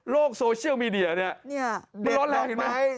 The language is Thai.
โซเชียลมีเดียเนี่ยมันร้อนแรงเห็นไหม